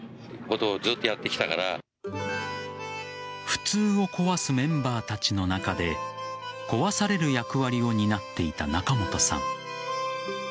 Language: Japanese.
普通を壊すメンバーたちの中で壊される役割を担っていた仲本さん。